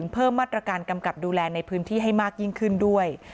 เพิ่มมาตรการกำกับดูแลในพื้นที่ให้มากยิ่งขึ้นด้วย